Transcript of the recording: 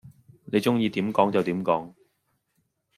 你鍾意點講就點講